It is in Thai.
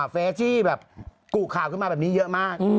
เฟสที่แบบกุข่าวขึ้นมาแบบนี้เยอะมาก